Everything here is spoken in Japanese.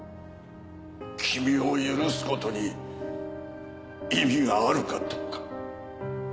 君を許すことに意味があるかどうか。